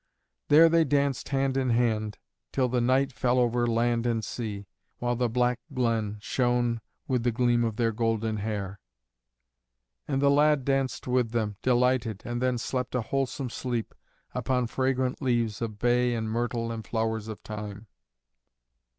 There they danced hand in hand, till the night fell over land and sea, while the black glen shone with the gleam of their golden hair. And the lad danced with them, delighted, and then slept a wholesome sleep, upon fragrant leaves of bay and myrtle and flowers of thyme.